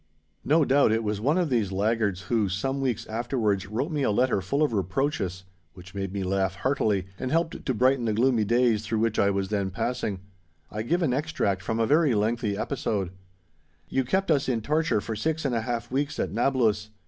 No doubt if was one of these laggards who, some weeks afterwards, wrote me a letter full of reproaches, which made me laugh heartily, and helped to brighten the gloomy days through which I was then passing. I give an extract from a very lengthy episode: "You kept us in torture for six and a half weeks at Nablus.